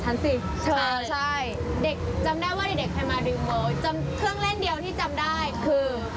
เครื่องเล่นเดียวที่จำได้คือ